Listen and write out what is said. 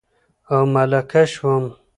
او ملکه شوم